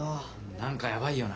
何かやばいよな。